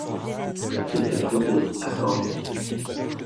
M’a-t-il fait frotter à Caen !